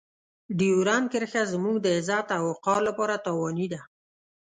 ډیورنډ کرښه زموږ د عزت او وقار لپاره تاواني ده.